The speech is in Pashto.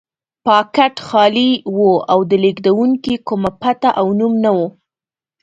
پاکټ خالي و او د لېږونکي کومه پته او نوم نه و.